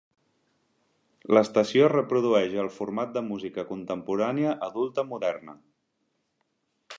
L"estació reprodueix el format de música contemporània adulta moderna.